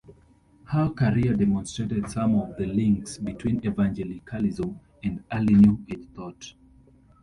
Her career demonstrated some of the links between Evangelicalism and early New Age thought.